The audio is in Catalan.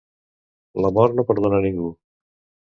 La mort no perdona ningú.